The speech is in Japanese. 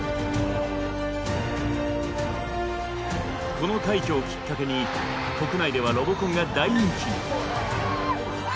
この快挙をきっかけに国内ではロボコンが大人気に。